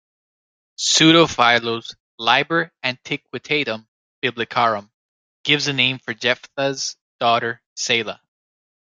Pseudo-Philo's "Liber Antiquitatum Biblicarum" gives a name for Jephthah's daughter, Seila.